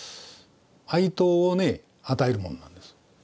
愛刀をね与えるものなんです。